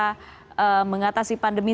untuk penyelenggara pandemi